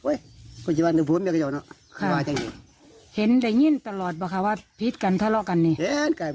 เอาฟังลุงเขาเล่าหน่อยฮะ